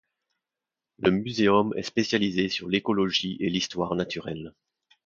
Le muséum est spécialisé sur l’écologie et l’histoire naturelle.